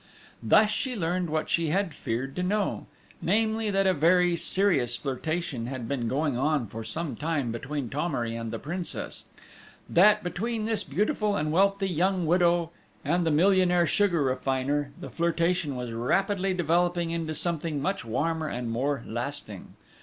Thus she learned what she had feared to know, namely, that a very serious flirtation had been going on for some time between Thomery and the Princess; that between this beautiful and wealthy young widow and the millionaire sugar refiner, the flirtation was rapidly developing into something much warmer and more lasting.